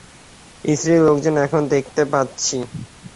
স্থানীয় লোকজন এখন দেখতে পাচ্ছি।